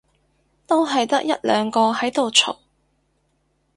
都係得一兩個喺度嘈